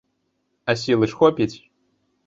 А сілы ж хопіць?